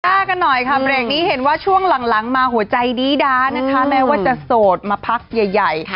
สวัสดีค่ะกันหน่อยค่ะเมล็กนี้เห็นว่าช่วงหลังมาหัวใจดีด้านะคะแม้ว่าจะโสดมาพักใหญ่